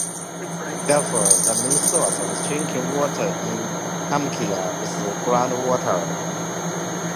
Therefore, the main source of drinking water in Kalmykia is groundwater.